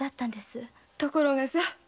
ところがさ